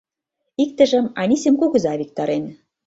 Иктыжым Анисим кугыза виктарен.